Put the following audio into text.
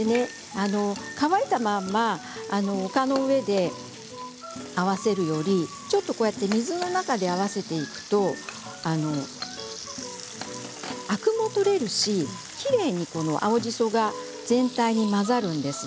乾いたまま丘の上で合わせるよりもこのように水の中で合わせていくとアクも取れるしきれいに青じそが全体に混ざっていきます。